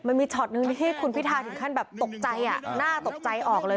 มันมีช็อตนึงที่คุณพิทาถึงขั้นแบบตกใจน่าตกใจออกเลย